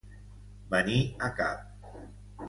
Venir a cap.